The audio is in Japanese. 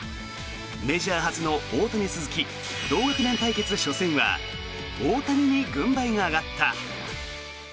メジャー初の大谷・鈴木同学年対決初戦は大谷に軍配が上がった。